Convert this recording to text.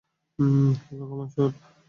হে ভগবান, শুটু!